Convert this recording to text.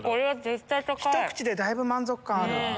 ひと口でだいぶ満足感ある。